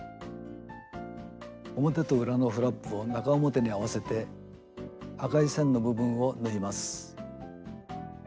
表と裏のフラップを中表に合わせて赤い線の部分を縫います。